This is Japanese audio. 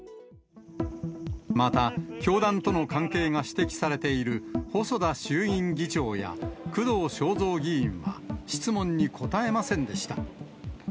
また、教団との関係が指摘されている細田衆院議長や、工藤彰三議員は、質問に答えませんでした。